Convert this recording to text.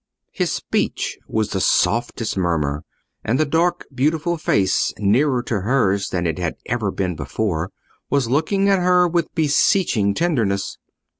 His speech was the softest murmur, and the dark beautiful face, nearer to hers than it had ever been before, was looking at her with beseeching tenderness.